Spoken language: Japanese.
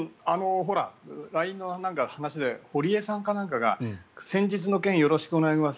ＬＩＮＥの件で堀江さんなんかが先日の件、よろしくお願いします